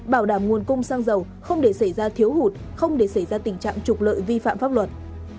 bảo đảm nguồn cung xăng dầu không để xảy ra thiếu hụt không để xảy ra tình trạng trục lợi vi phạm pháp luật